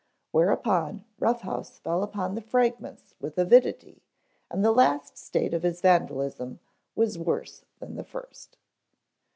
Whereupon Rough House fell upon the fragments with avidity and the last state of his vandalism was worse than the first.